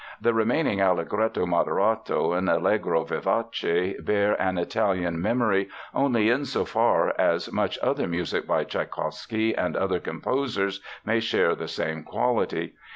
The remaining Allegretto moderato and Allegro vivace bear an Italian "memory" only insofar as much other music by Tschaikowsky and other composers may share the same quality.